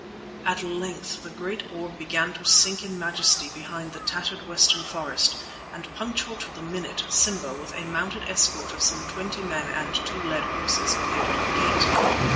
At length the great orb began to sink in majesty behind the tattered western forest, and, punctual to the minute, Simba, with a mounted escort of some twenty men and two led horses, appeared at our gate.